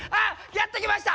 やって来ました！